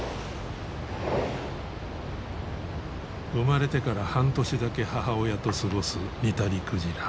生まれてから半年だけ母親と過ごすニタリクジラ。